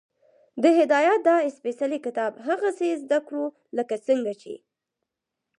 د هدایت دا سپېڅلی کتاب هغسې زده کړو، لکه څنګه چې